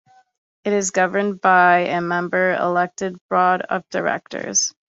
It is governed by a member-elected board of directors.